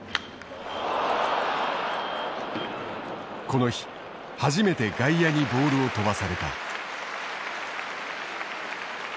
この日初めて外野にボールを飛ばされた。